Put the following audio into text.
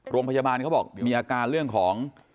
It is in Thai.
โรงพยาบาลเขาบอกมีอาการเรื่องของ